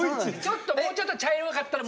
もうちょっと茶色かったら。